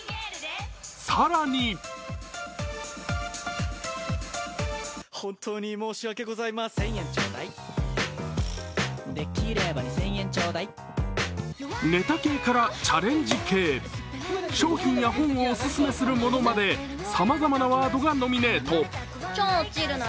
更にネタ系からチャレンジ系、商品や本をオススメするものまでさまざまなワードがノミネート。